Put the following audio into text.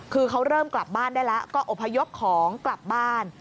คือเขาเริ่มกลับบ้านได้แล้วก็อบพยพของกลับบ้าน